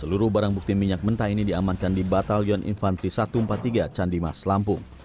seluruh barang bukti minyak mentah ini diamankan di batalion infantri satu ratus empat puluh tiga candimas lampung